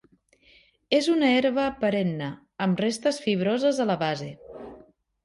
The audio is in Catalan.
És una herba perenne, amb restes fibroses a la base.